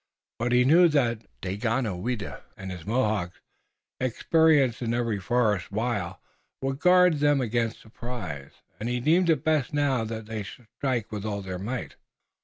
But he knew that Daganoweda and his Mohawks, experienced in every forest wile, would guard them against surprise, and he deemed it best now that they should strike with all their might.